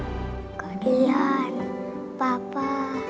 kak dian papa